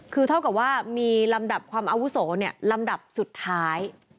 คือเท่ากับว่ามีลำดับความอาวุโสลำดับสุดท้าย